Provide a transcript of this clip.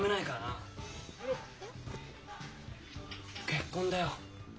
結婚だよ。